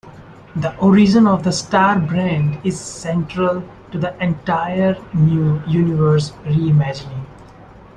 The origin of the Star Brand is central to the entire New Universe re-imagining.